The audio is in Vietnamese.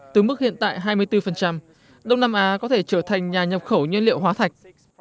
từ mức hiện tại hai mươi bốn đông nam á có thể trở thành nhà nhập khẩu nhiên liệu hóa thạch